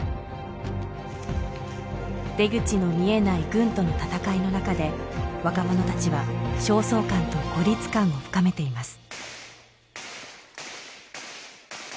出口の見えない軍との闘いの中で若者たちは焦燥感と孤立感を深めています